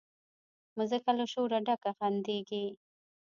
مځکه له شوره ډکه خندیږي